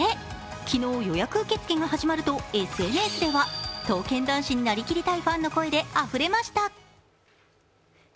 昨日、予約受付が始まるとＳＮＳでは刀剣男子になりきりたいファンの声であふれました。